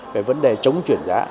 về vấn đề chống triển giá